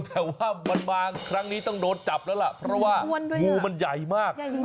แต่ว่ามันมาครั้งนี้ต้องโดนจับแล้วล่ะเพราะว่างูมันใหญ่มาก